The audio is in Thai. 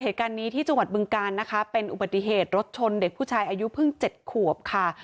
เหตุการณ์นี้ที่จังหวัดบึงการนะคะเป็นอุบัติเหตุรถชนเด็กผู้ชายอายุเพิ่งเจ็ดขวบค่ะ